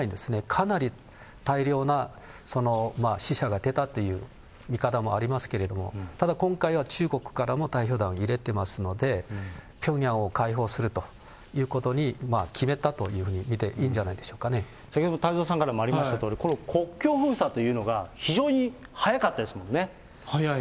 かなり大量な、死者が出たという見方もありますけれども、ただ今回は中国からも代表団を入れてますので、ピョンヤンを開放するということに決めたというふうに見ていいん先ほども太蔵さんからもありましたけれども、この国境封鎖というのが、非常に早かったですも早い。